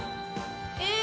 え